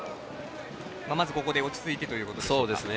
まず、ここで落ち着いてということでしょうか。